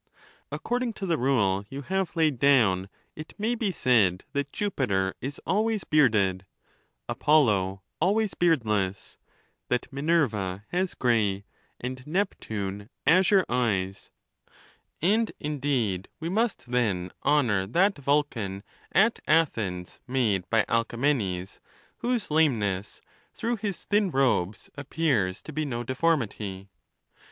According to the rule you have laid down, it may be said that Jupiter is always bearded, Apollo always beardless ; that Minerva has gray and Neptune azure eyes ; and, indeed, we must then honor that Vulcan at Athens, made by Alcaraenes, whose lameness through his thin robes appears to be no deformity.